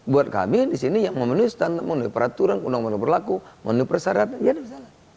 buat kami di sini yang memenuhi standar memenuhi peraturan undang undang berlaku memenuhi persyaratan ya ada masalah